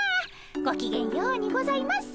ごきげんようにございます。